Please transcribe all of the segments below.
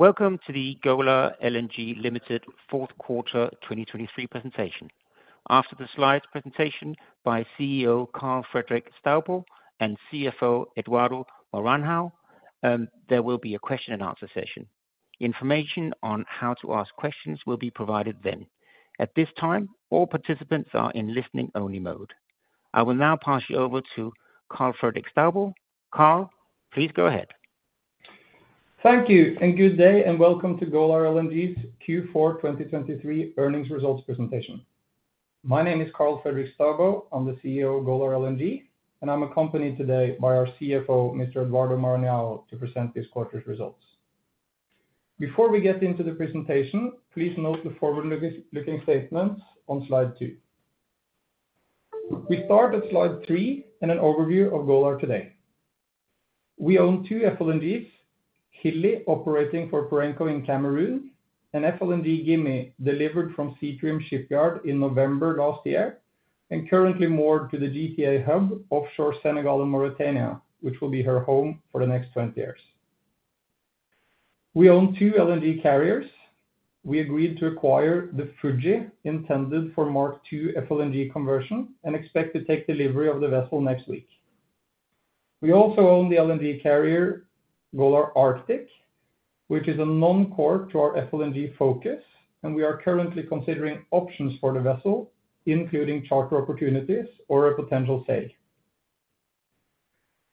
Welcome to the Golar LNG Limited 4th quarter 2023 presentation. After the slides presentation by CEO Karl Fredrik Staubo and CFO Eduardo Maranhão, there will be a question-and-answer session. Information on how to ask questions will be provided then. At this time, all participants are in listening-only mode. I will now pass you over to Karl Fredrik Staubo. Karl, please go ahead. Thank you, and good day, and welcome to Golar LNG's Q4 2023 earnings results presentation. My name is Karl Fredrik Staubo. I'm the CEO of Golar LNG, and I'm accompanied today by our CFO, Mr. Eduardo Maranhão, to present this quarter's results. Before we get into the presentation, please note the forward-looking statements on slide two. We start at slide three and an overview of Golar today. We own two FLNGs: Hilli operating for Perenco in Cameroon, an FLNG Gimi delivered from Seatrium Shipyard in November last year, and currently moored to the GTA Hub offshore Senegal and Mauritania, which will be her home for the next 20 years. We own two LNG carriers. We agreed to acquire the Fuji intended for Mark II FLNG conversion and expect to take delivery of the vessel next week. We also own the LNG carrier Golar Arctic, which is a non-core to our FLNG focus, and we are currently considering options for the vessel, including charter opportunities or a potential sale.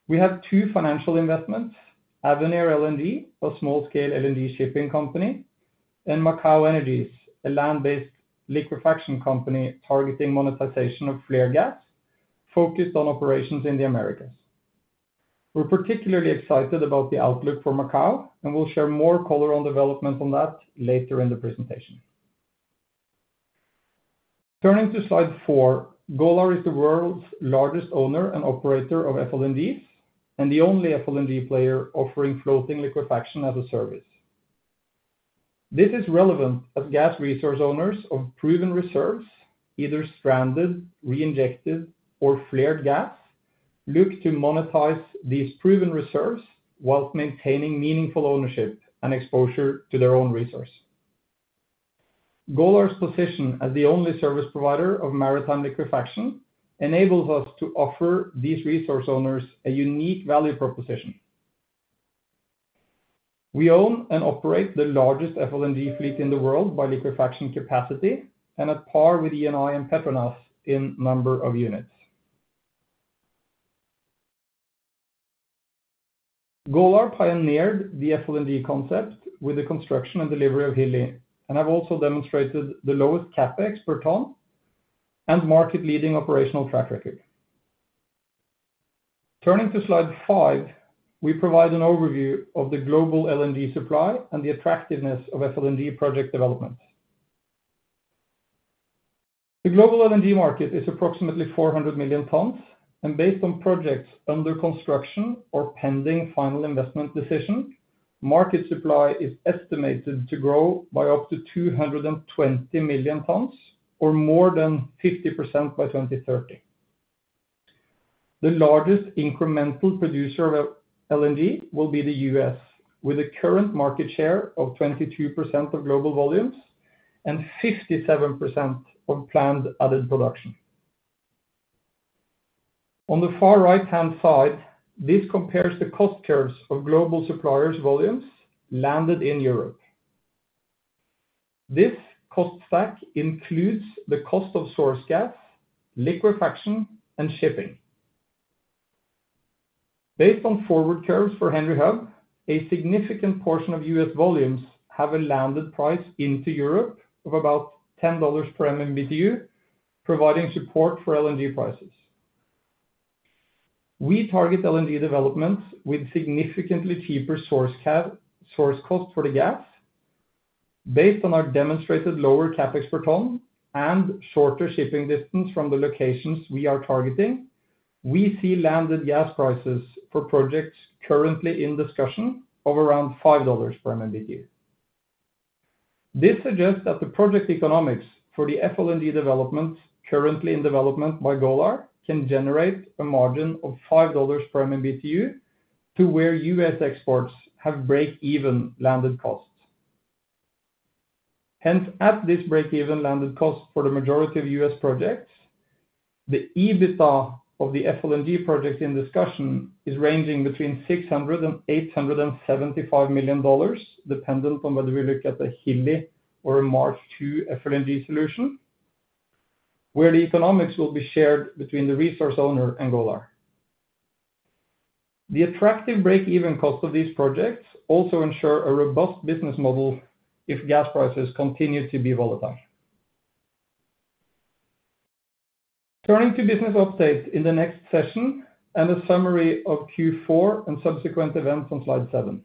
We have two financial investments: Avenir LNG, a small-scale LNG shipping company, and Macaw Energies, a land-based liquefaction company targeting monetization of flare gas, focused on operations in the Americas. We're particularly excited about the outlook for Macaw, and we'll share more color on developments on that later in the presentation. Turning to slide four, Golar is the world's largest owner and operator of FLNGs and the only FLNG player offering floating liquefaction as a service. This is relevant as gas resource owners of proven reserves, either stranded, reinjected, or flared gas, look to monetize these proven reserves while maintaining meaningful ownership and exposure to their own resource. Golar's position as the only service provider of maritime liquefaction enables us to offer these resource owners a unique value proposition. We own and operate the largest FLNG fleet in the world by liquefaction capacity and at par with Eni and Petronas in number of units. Golar pioneered the FLNG concept with the construction and delivery of Hilli and have also demonstrated the lowest CapEx per ton and market-leading operational track record. Turning to slide five, we provide an overview of the global LNG supply and the attractiveness of FLNG project developments. The global LNG market is approximately 400 million tons, and based on projects under construction or pending final investment decision, market supply is estimated to grow by up to 220 million tons or more than 50% by 2030. The largest incremental producer of LNG will be the U.S., with a current market share of 22% of global volumes and 57% of planned added production. On the far right-hand side, this compares the cost curves of global suppliers' volumes landed in Europe. This cost stack includes the cost of source gas, liquefaction, and shipping. Based on forward curves for Henry Hub, a significant portion of U.S. volumes have a landed price into Europe of about $10 per MMBTU, providing support for LNG prices. We target LNG developments with significantly cheaper source cost for the gas. Based on our demonstrated lower CapEx per ton and shorter shipping distance from the locations we are targeting, we see landed gas prices for projects currently in discussion of around $5 per MMBTU. This suggests that the project economics for the FLNG development currently in development by Golar can generate a margin of $5 per MMBTU to where U.S. exports have break-even landed costs. Hence, at this break-even landed cost for the majority of U.S. projects, the EBITDA of the FLNG project in discussion is ranging between $600 million-$875 million, dependent on whether we look at a Hilli or a Mark II FLNG solution, where the economics will be shared between the resource owner and Golar. The attractive break-even cost of these projects also ensure a robust business model if gas prices continue to be volatile. Turning to business update in the next session and a summary of Q4 and subsequent events on slide seven.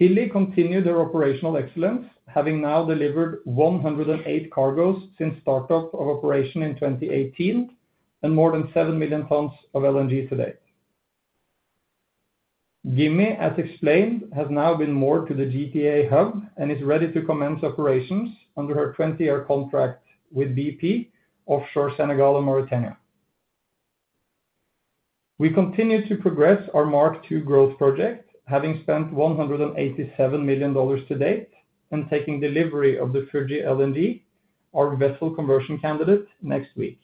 Hilli continued their operational excellence, having now delivered 108 cargoes since startup of operation in 2018 and more than seven million tons of LNG to date. Gimi, as explained, has now been moored to the GTA Hub and is ready to commence operations under her 20-year contract with BP, offshore Senegal and Mauritania. We continue to progress our Mark II growth project, having spent $187 million to date and taking delivery of the Fuji LNG, our vessel conversion candidate, next week.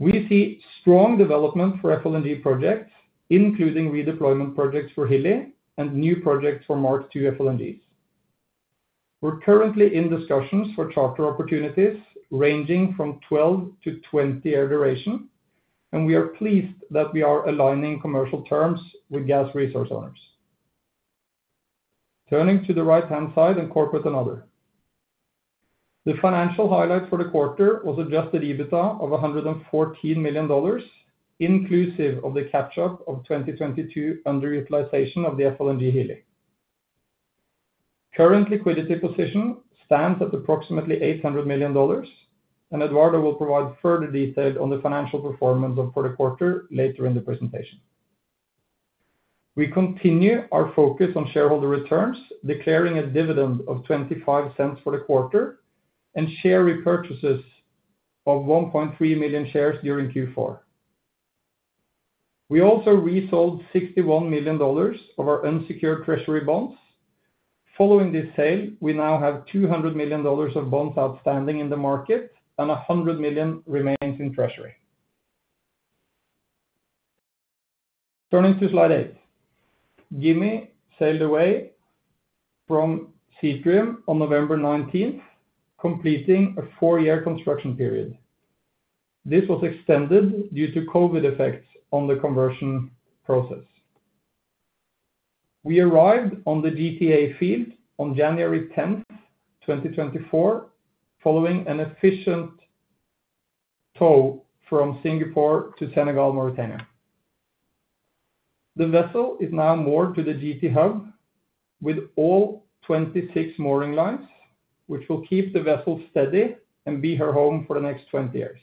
We see strong development for FLNG projects, including redeployment projects for Hilli and new projects for Mark II FLNGs. We're currently in discussions for charter opportunities ranging from 12- to 20-year duration, and we are pleased that we are aligning commercial terms with gas resource owners. Turning to the right-hand side and corporate and other. The financial highlight for the quarter was Adjusted EBITDA of $114 million, inclusive of the catch-up of 2022 underutilization of the FLNG Hilli. Current liquidity position stands at approximately $800 million, and Eduardo will provide further detail on the financial performance for the quarter later in the presentation. We continue our focus on shareholder returns, declaring a dividend of $0.0025 for the quarter and share repurchases of 1.3 million shares during Q4. We also resold $61 million of our unsecured treasury bonds. Following this sale, we now have $200 million of bonds outstanding in the market, and $100 million remains in treasury. Turning to slide eight. Gimi sailed away from Seatrium on November 19th, completing a four-year construction period. This was extended due to COVID effects on the conversion process. We arrived on the GTA field on January 10th, 2024, following an efficient tow from Singapore to Senegal and Mauritania. The vessel is now moored to the GTA Hub with all 26 mooring lines, which will keep the vessel steady and be her home for the next 20 years.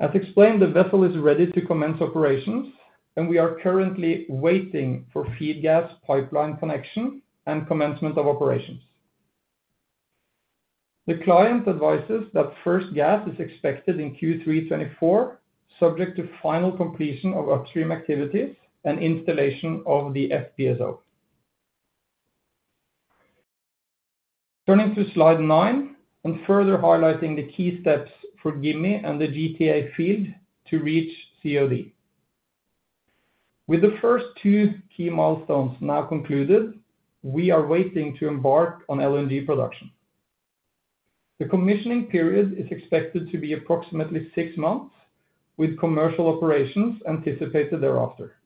As explained, the vessel is ready to commence operations, and we are currently waiting for feed gas pipeline connection and commencement of operations. The client advises that first gas is expected in Q3 2024, subject to final completion of upstream activities and installation of the FPSO. Turning to slide nine and further highlighting the key steps for Gimi and the GTA field to reach COD. With the first two key milestones now concluded, we are waiting to embark on LNG production. The commissioning period is expected to be approximately six months, with commercial operations anticipated thereafter.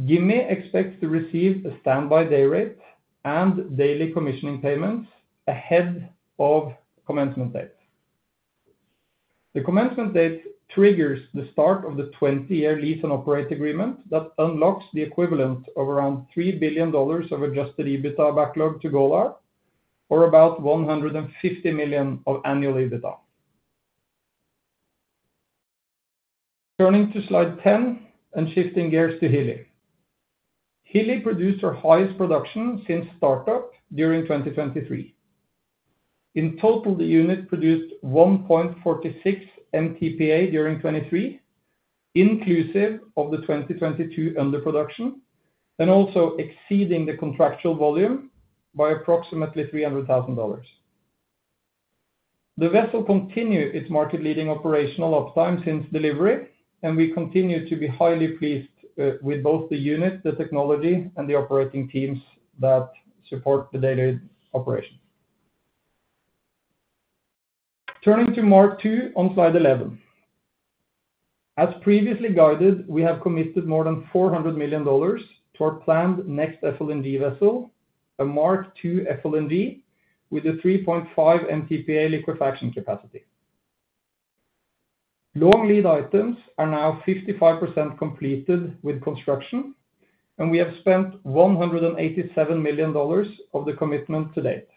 Gimi expects to receive a standby day rate and daily commissioning payments ahead of commencement date. The commencement date triggers the start of the 20-year lease and operate agreement that unlocks the equivalent of around $3 billion of Adjusted EBITDA backlog to Golar or about $150 million of annual EBITDA. Turning to slide 10 and shifting gears to Hilli. Hilli produced her highest production since startup during 2023. In total, the unit produced 1.46 MTPA during 2023, inclusive of the 2022 underproduction and also exceeding the contractual volume by approximately 300,000. The vessel continued its market-leading operational uptime since delivery, and we continue to be highly pleased with both the unit, the technology, and the operating teams that support the daily operations. Turning to Mark II on slide 11. As previously guided, we have committed more than $400 million to our planned next FLNG vessel, a Mark II FLNG with a 3.5 MTPA liquefaction capacity. Long lead items are now 55% completed with construction, and we have spent $187 million of the commitment to date.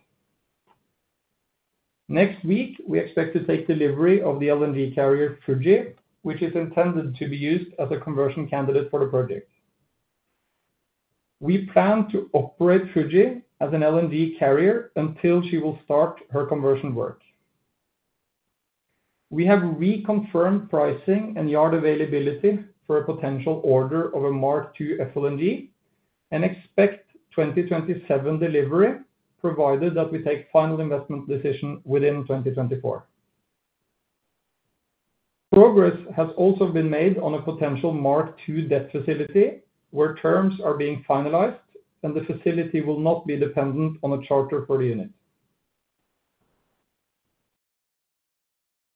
Next week, we expect to take delivery of the LNG carrier Fuji, which is intended to be used as a conversion candidate for the project. We plan to operate Fuji as an LNG carrier until she will start her conversion work. We have reconfirmed pricing and yard availability for a potential order of a Mark II FLNG and expect 2027 delivery, provided that we take final investment decision within 2024. Progress has also been made on a potential Mark II debt facility, where terms are being finalized, and the facility will not be dependent on a charter for the unit.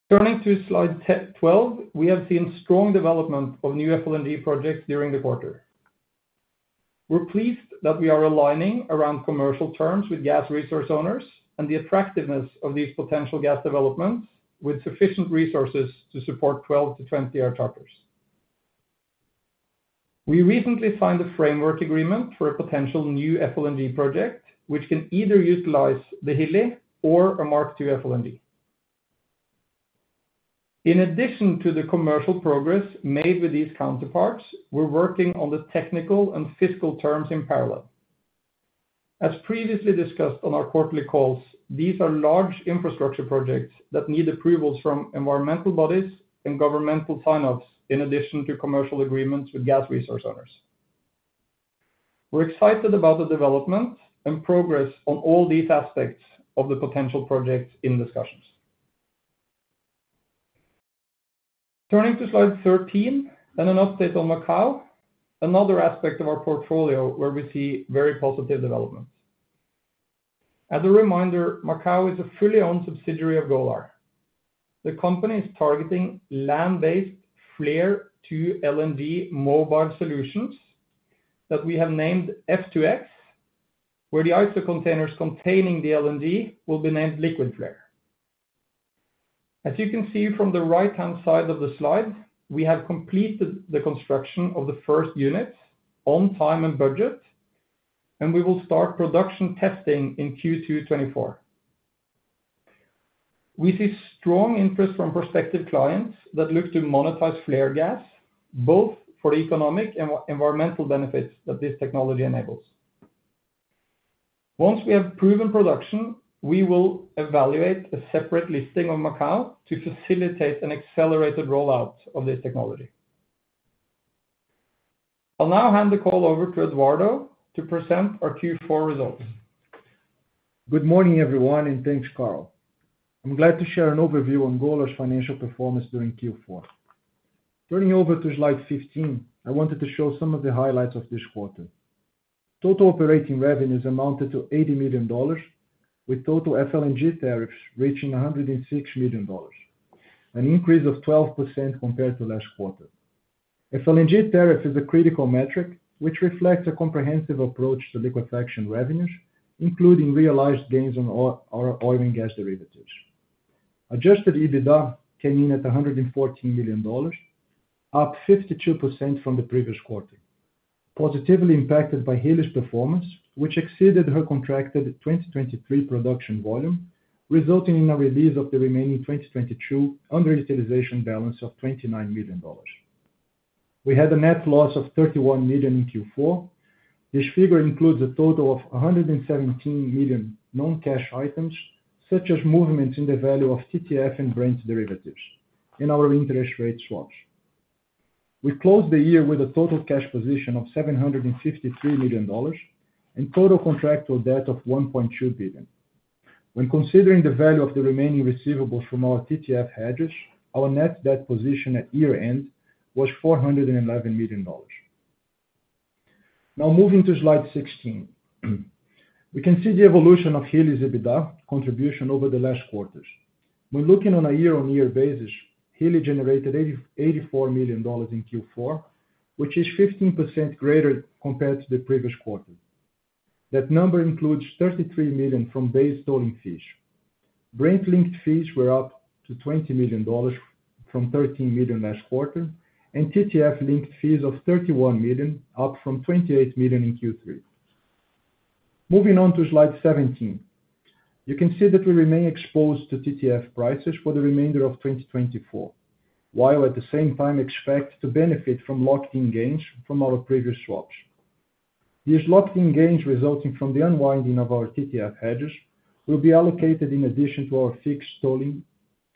Turning to slide 12, we have seen strong development of new FLNG projects during the quarter. We're pleased that we are aligning around commercial terms with gas resource owners and the attractiveness of these potential gas developments with sufficient resources to support 12-20-year charters. We recently signed a framework agreement for a potential new FLNG project, which can either utilize the Hilli or a Mark II FLNG. In addition to the commercial progress made with these counterparts, we're working on the technical and fiscal terms in parallel. As previously discussed on our quarterly calls, these are large infrastructure projects that need approvals from environmental bodies and governmental sign-offs, in addition to commercial agreements with gas resource owners. We're excited about the development and progress on all these aspects of the potential projects in discussions. Turning to slide 13 and an update on Macaw, another aspect of our portfolio where we see very positive developments. As a reminder, Macaw is a fully-owned subsidiary of Golar. The company is targeting land-based flare-to-LNG mobile solutions that we have named F2X, where the ISO containers containing the LNG will be named Liquid Flare. As you can see from the right-hand side of the slide, we have completed the construction of the first units on time and budget, and we will start production testing in Q2 2024. We see strong interest from prospective clients that look to monetize flare gas, both for the economic and environmental benefits that this technology enables. Once we have proven production, we will evaluate a separate listing of Macaw to facilitate an accelerated rollout of this technology. I'll now hand the call over to Eduardo to present our Q4 results. Good morning, everyone, and thanks, Karl. I'm glad to share an overview on Golar's financial performance during Q4. Turning over to slide 15, I wanted to show some of the highlights of this quarter. Total operating revenue is amounted to $80 million, with total FLNG tariffs reaching $106 million, an increase of 12% compared to last quarter. FLNG tariff is a critical metric, which reflects a comprehensive approach to liquefaction revenues, including realized gains on oil and gas derivatives. Adjusted EBITDA came in at $114 million, up 52% from the previous quarter, positively impacted by Hilli's performance, which exceeded her contracted 2023 production volume, resulting in a release of the remaining 2022 underutilization balance of $29 million. We had a net loss of $31 million in Q4. This figure includes a total of $117 million known cash items, such as movements in the value of TTF and Brent derivatives in our interest rate swaps. We closed the year with a total cash position of $753 million and total contractual debt of $1.2 billion. When considering the value of the remaining receivables from our TTF hedges, our net debt position at year-end was $411 million. Now moving to slide 16, we can see the evolution of Hilli's EBITDA contribution over the last quarters. When looking on a year-over-year basis, Hilli generated $84 million in Q4, which is 15% greater compared to the previous quarter. That number includes $33 million from base tolling fees. Brent-linked fees were up to $20 million from $13 million last quarter, and TTF-linked fees of $31 million, up from $28 million in Q3. Moving on to slide 17, you can see that we remain exposed to TTF prices for the remainder of 2024, while at the same time expect to benefit from locked-in gains from our previous swaps. These locked-in gains resulting from the unwinding of our TTF hedges will be allocated in addition to our fixed tolling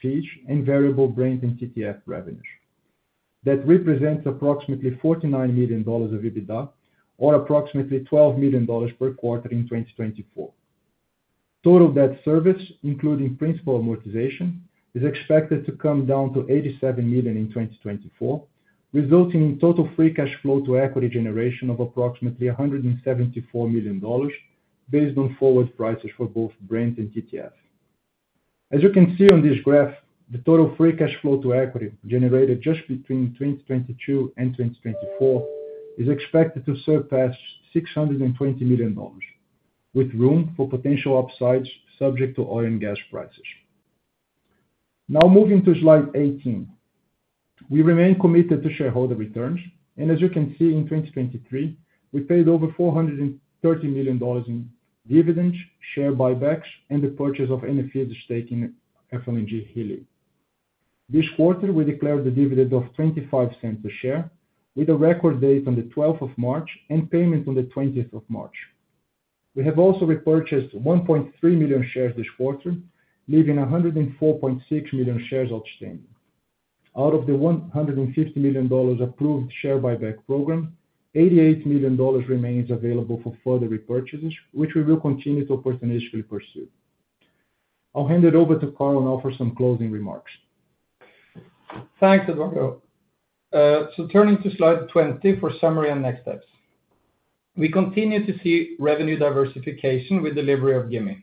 fees and variable Brent and TTF revenues. That represents approximately $49 million of EBITDA or approximately $12 million per quarter in 2024. Total debt service, including principal amortization, is expected to come down to $87 million in 2024, resulting in total free cash flow to equity generation of approximately $174 million based on forward prices for both Brent and TTF. As you can see on this graph, the total free cash flow to equity generated just between 2022 and 2024 is expected to surpass $620 million, with room for potential upsides subject to oil and gas prices. Now moving to slide 18. We remain committed to shareholder returns, and as you can see, in 2023, we paid over $430 million in dividends, share buybacks, and the purchase of NFE's stake in FLNG Hilli. This quarter, we declared the dividend of $0.25 a share, with a record date on the 12th of March and payment on the 20th of March. We have also repurchased 1.3 million shares this quarter, leaving 104.6 million shares outstanding. Out of the $150 million approved share buyback program, $88 million remains available for further repurchases, which we will continue to opportunistically pursue. I'll hand it over to Karl and offer some closing remarks. Thanks, Eduardo. So turning to slide 20 for summary and next steps. We continue to see revenue diversification with delivery of Gimi.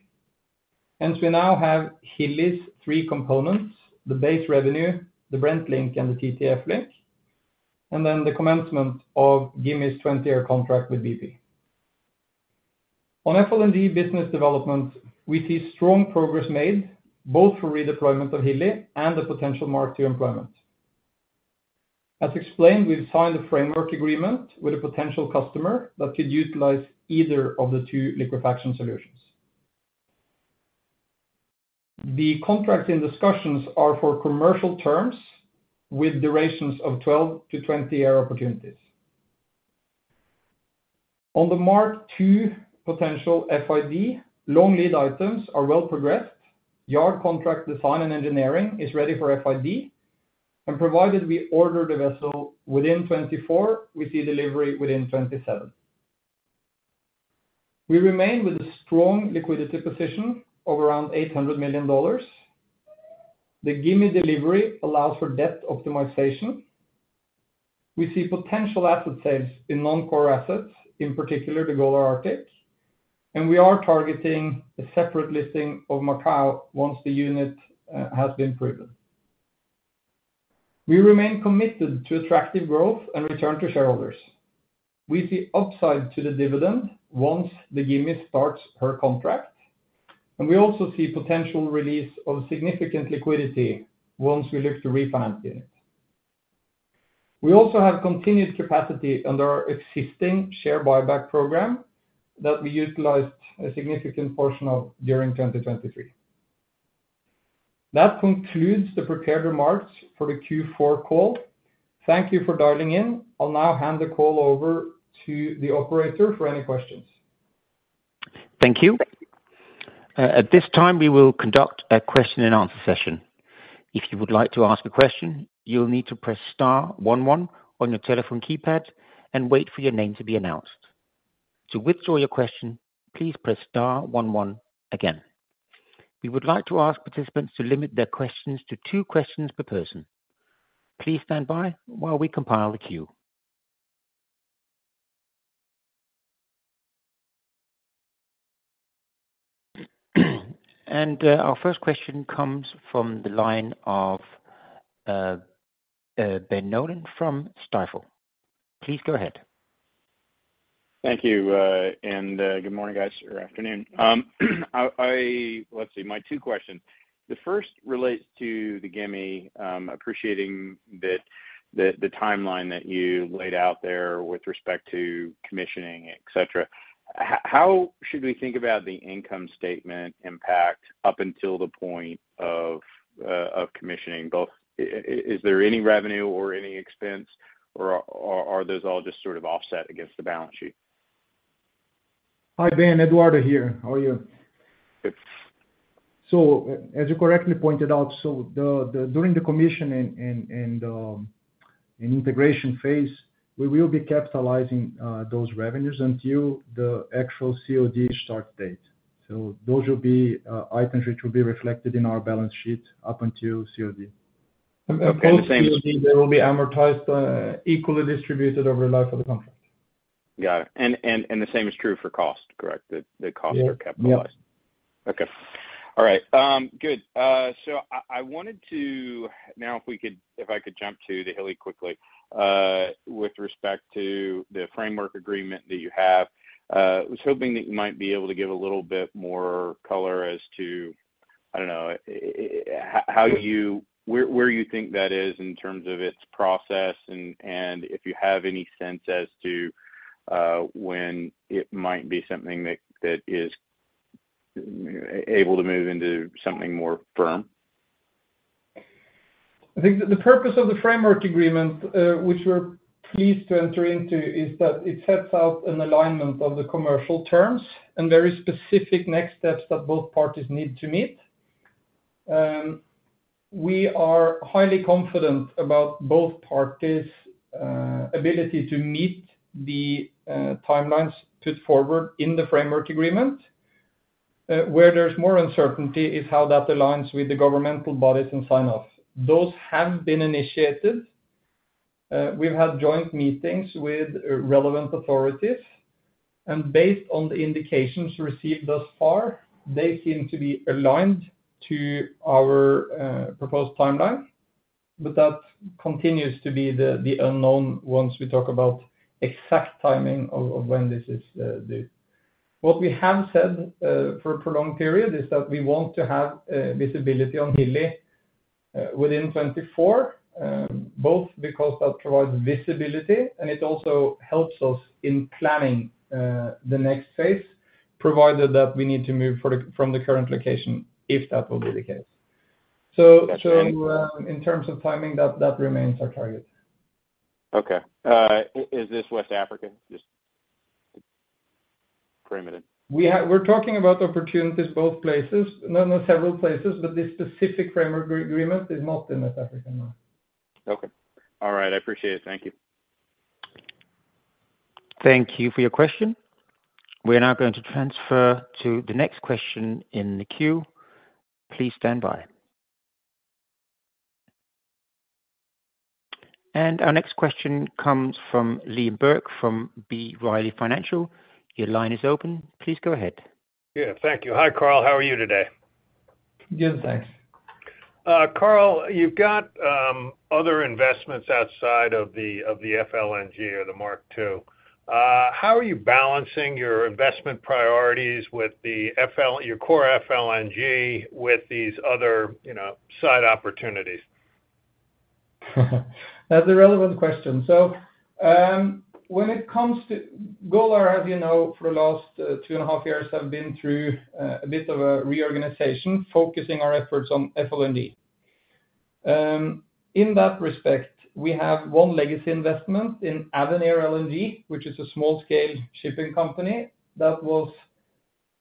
Hence, we now have Hilli's three components: the base revenue, the Brent link, and the TTF link, and then the commencement of Gimi's 20-year contract with BP. On FLNG business development, we see strong progress made both for redeployment of Hilli and the potential Mark II employment. As explained, we've signed a framework agreement with a potential customer that could utilize either of the two liquefaction solutions. The contracts in discussions are for commercial terms with durations of 12-20-year opportunities. On the Mark II potential FID, long lead items are well progressed. Yard contract design and engineering is ready for FID, and provided we order the vessel within 2024, we see delivery within 2027. We remain with a strong liquidity position of around $800 million. The Gimi delivery allows for debt optimization. We see potential asset sales in non-core assets, in particular the Golar Arctic, and we are targeting a separate listing of Macaw once the unit has been proven. We remain committed to attractive growth and return to shareholders. We see upside to the dividend once the Gimi starts her contract, and we also see potential release of significant liquidity once we look to refinance the unit. We also have continued capacity under our existing share buyback program that we utilized a significant portion of during 2023. That concludes the prepared remarks for the Q4 call. Thank you for dialing in. I'll now hand the call over to the operator for any questions. Thank you. At this time, we will conduct a question-and-answer session. If you would like to ask a question, you'll need to press star one one on your telephone keypad and wait for your name to be announced. To withdraw your question, please press star one one again. We would like to ask participants to limit their questions to two questions per person. Please stand by while we compile the queue. Our first question comes from the line of Ben Nolan from Stifel. Please go ahead. Thank you. And good morning, guys, or afternoon. Let's see. My two questions. The first relates to the Gimi, appreciating the timeline that you laid out there with respect to commissioning, etc. How should we think about the income statement impact up until the point of commissioning? Is there any revenue or any expense, or are those all just sort of offset against the balance sheet? Hi, Ben. Eduardo here. How are you? Good. So as you correctly pointed out, during the commissioning and integration phase, we will be capitalizing those revenues until the actual COD start date. So those will be items which will be reflected in our balance sheet up until COD. The same COD, they will be amortized, equally distributed over the life of the contract. Got it. The same is true for cost, correct? The costs are capitalized? Yep. Okay. All right. Good. So I wanted to know if I could jump to the Hilli quickly with respect to the framework agreement that you have. I was hoping that you might be able to give a little bit more color as to, I don't know, where you think that is in terms of its process and if you have any sense as to when it might be something that is able to move into something more firm. I think that the purpose of the framework agreement, which we're pleased to enter into, is that it sets out an alignment of the commercial terms and very specific next steps that both parties need to meet. We are highly confident about both parties' ability to meet the timelines put forward in the framework agreement. Where there's more uncertainty is how that aligns with the governmental bodies and sign-offs. Those have been initiated. We've had joint meetings with relevant authorities. Based on the indications received thus far, they seem to be aligned to our proposed timeline, but that continues to be the unknown once we talk about exact timing of when this is due. What we have said for a prolonged period is that we want to have visibility on Hilli within 2024, both because that provides visibility, and it also helps us in planning the next phase, provided that we need to move from the current location if that will be the case. So in terms of timing, that remains our target. Okay. Is this West Africa? Just Perenco. We're talking about opportunities both places, several places, but this specific framework agreement is not in West Africa now. Okay. All right. I appreciate it. Thank you. Thank you for your question. We are now going to transfer to the next question in the queue. Please stand by. Our next question comes from Liam Burke from B. Riley Financial. Your line is open. Please go ahead. Yeah. Thank you. Hi, Karl. How are you today? Good. Thanks. Karl, you've got other investments outside of the FLNG or the Mark II. How are you balancing your investment priorities, your core FLNG, with these other side opportunities? That's a relevant question. So when it comes to Golar, as you know, for the last 2.5 years, have been through a bit of a reorganization, focusing our efforts on FLNG. In that respect, we have one legacy investment in Avenir LNG, which is a small-scale shipping company that was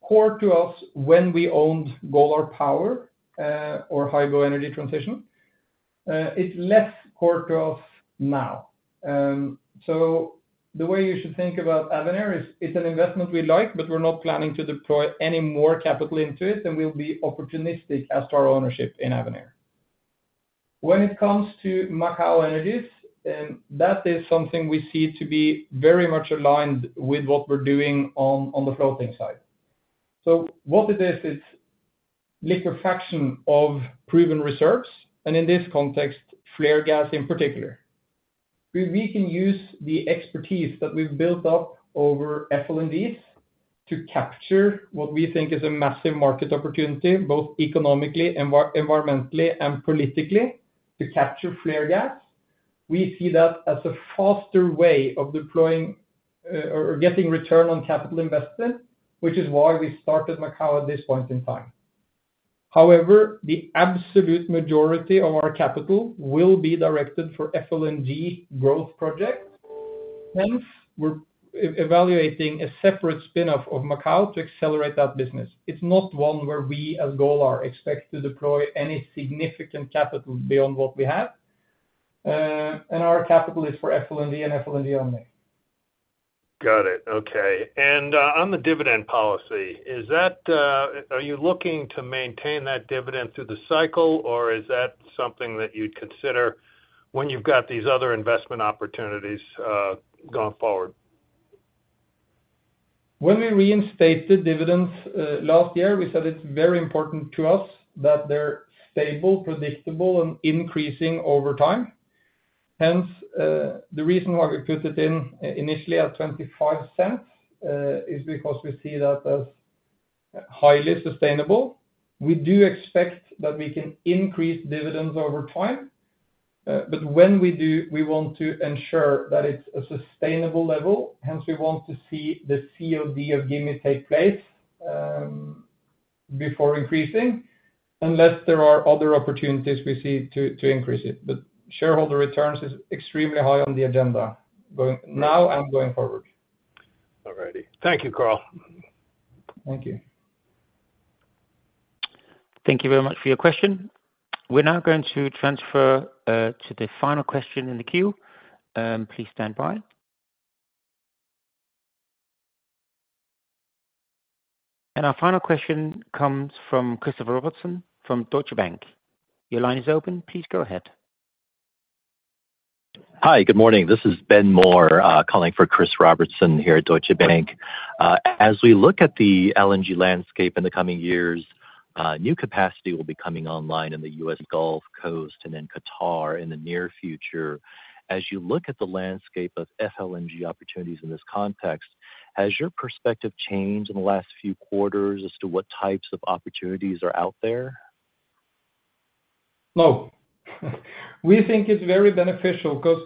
core to us when we owned Golar Power or Hygo Energy Transition. It's less core to us now. So the way you should think about Avenir is it's an investment we like, but we're not planning to deploy any more capital into it, and we'll be opportunistic as to our ownership in Avenir. When it comes to Macaw Energies, that is something we see to be very much aligned with what we're doing on the floating side. So what it is, it's liquefaction of proven reserves, and in this context, flare gas in particular. We can use the expertise that we've built up over FLNGs to capture what we think is a massive market opportunity, both economically, environmentally, and politically, to capture flare gas. We see that as a faster way of deploying or getting return on capital invested, which is why we started Macaw at this point in time. However, the absolute majority of our capital will be directed for FLNG growth projects. Hence, we're evaluating a separate spin-off of Macaw to accelerate that business. It's not one where we as Golar expect to deploy any significant capital beyond what we have. Our capital is for FLNG and FLNG only. Got it. Okay. And on the dividend policy, are you looking to maintain that dividend through the cycle, or is that something that you'd consider when you've got these other investment opportunities going forward? When we reinstated dividends last year, we said it's very important to us that they're stable, predictable, and increasing over time. Hence, the reason why we put it in initially at $0.0025 is because we see that as highly sustainable. We do expect that we can increase dividends over time, but when we do, we want to ensure that it's a sustainable level. Hence, we want to see the COD of Gimi take place before increasing, unless there are other opportunities we see to increase it. But shareholder returns is extremely high on the agenda now and going forward. All righty. Thank you, Karl. Thank you. Thank you very much for your question. We're now going to transfer to the final question in the queue. Please stand by. Our final question comes from Christopher Robertson from Deutsche Bank. Your line is open. Please go ahead. Hi. Good morning. This is Ben Moore calling for Chris Robertson here at Deutsche Bank. As we look at the LNG landscape in the coming years, new capacity will be coming online in the U.S. Gulf Coast and in Qatar in the near future. As you look at the landscape of FLNG opportunities in this context, has your perspective changed in the last few quarters as to what types of opportunities are out there? No. We think it's very beneficial because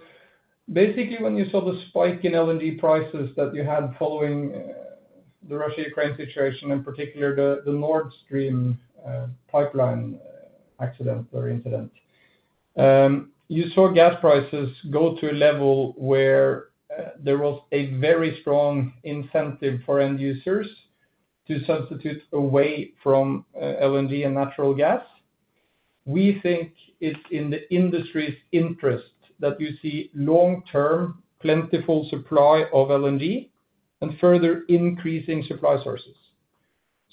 basically, when you saw the spike in LNG prices that you had following the Russia-Ukraine situation, in particular the Nord Stream pipeline accident or incident, you saw gas prices go to a level where there was a very strong incentive for end users to substitute away from LNG and natural gas. We think it's in the industry's interest that you see long-term, plentiful supply of LNG and further increasing supply sources.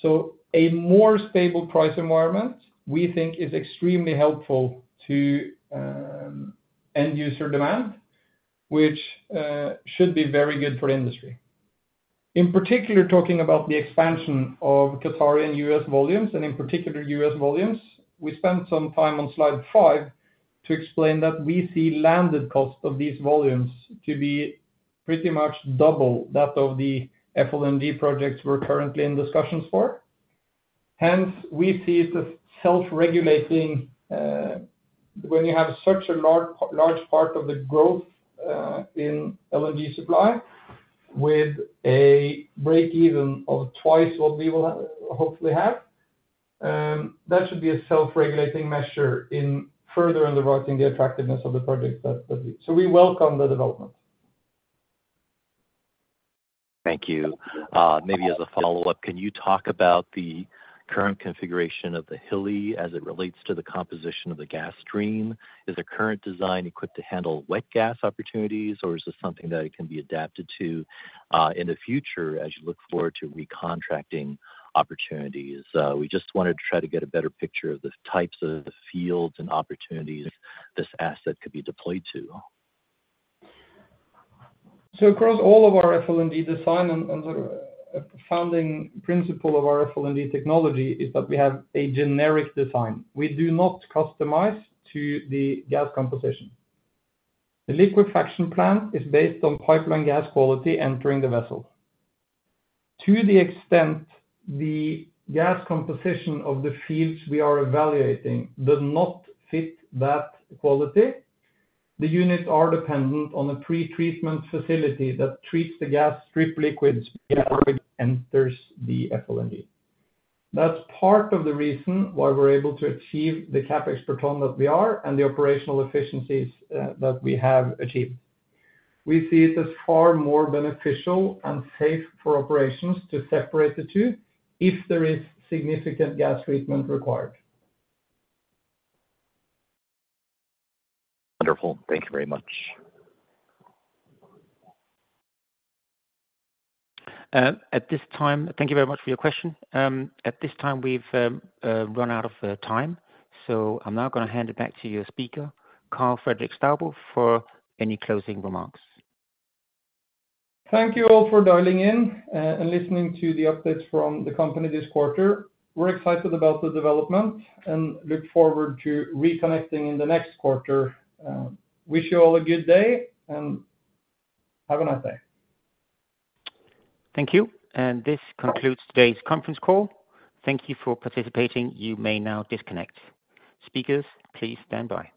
So a more stable price environment, we think, is extremely helpful to end-user demand, which should be very good for the industry. In particular, talking about the expansion of Qatar and U.S. volumes, and in particular, U.S. volumes, we spent some time on slide five to explain that we see landed cost of these volumes to be pretty much double that of the FLNG projects we're currently in discussions for. Hence, we see it as self-regulating when you have such a large part of the growth in LNG supply with a break-even of twice what we will hopefully have. That should be a self-regulating measure further underwriting the attractiveness of the projects that we so we welcome the development. Thank you. Maybe as a follow-up, can you talk about the current configuration of the Hilli as it relates to the composition of the gas stream? Is the current design equipped to handle wet gas opportunities, or is this something that it can be adapted to in the future as you look forward to recontracting opportunities? We just wanted to try to get a better picture of the types of fields and opportunities this asset could be deployed to. Across all of our FLNG design, and the founding principle of our FLNG technology is that we have a generic design. We do not customize to the gas composition. The liquefaction plant is based on pipeline gas quality entering the vessel. To the extent the gas composition of the fields we are evaluating does not fit that quality, the units are dependent on a pretreatment facility that treats the gas strip liquids before it enters the FLNG. That's part of the reason why we're able to achieve the CapEx per ton that we are and the operational efficiencies that we have achieved. We see it as far more beneficial and safe for operations to separate the two if there is significant gas treatment required. Wonderful. Thank you very much. At this time, thank you very much for your question. At this time, we've run out of time. So I'm now going to hand it back to your speaker, Karl Fredrik Staubo, for any closing remarks. Thank you all for dialing in and listening to the updates from the company this quarter. We're excited about the development and look forward to reconnecting in the next quarter. Wish you all a good day and have a nice day. Thank you. This concludes today's conference call. Thank you for participating. You may now disconnect. Speakers, please stand by.